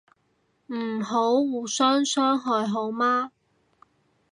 唔好互相傷害好嗎